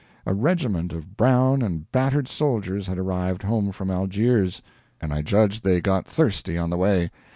A regiment of brown and battered soldiers had arrived home from Algiers, and I judged they got thirsty on the way.